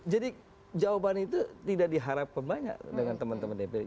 jadi jawaban itu tidak diharapkan banyak dengan teman teman dprd